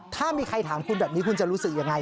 ถ้ามีใครถามคุณแบบนี้คุณจะรู้สึกยังไง